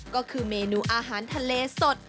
ก็คือเมนูอาหารทะเลสด